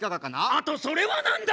あとそれは何だ⁉